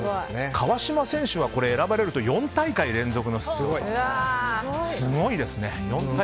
川島選手は選ばれると４大会連続ですごいですね。